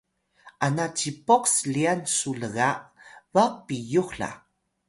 ana cipoq slyan su lga baq piyux la